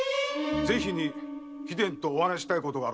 是非に貴殿とお話ししたいことがあると。